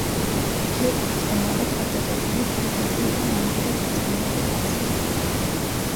გიორგი ბრწყინვალე თავდადებული , გულკეთილი და ნამდვილად ბრწყინვალე კაცია